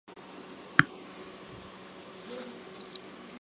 已略去一部分过于细节或仅与其中少数作品有关的内容。